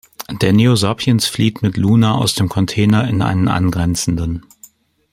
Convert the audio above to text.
Der Neo Sapiens flieht mit Luna aus dem Container in einen angrenzenden.